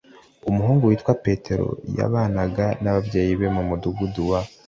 umuhungu witwa petero yabanaga n'ababyeyi be mu mudugudu wa